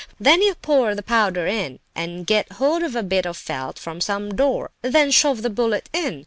Then you pour the powder in, and get hold of a bit of felt from some door, and then shove the bullet in.